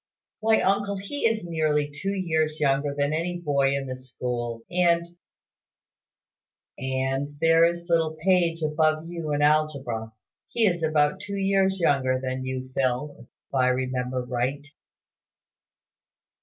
"Why, uncle, he is nearly two years younger than any boy in the school; and " "And there is little Page above you in algebra. He is about two years younger than you, Phil, if I remember right."